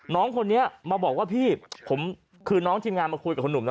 น้องคนนี้มาบอกว่าพี่ผมคือน้องทีมงานมาคุยกับคุณหนุ่มนะ